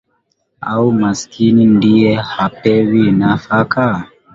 Au maskini ndiye hapewi nafaka?